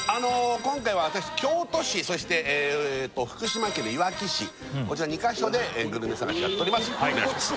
今回は私京都市そして福島県のいわき市こちら２カ所でグルメ探しやっておりますお願いします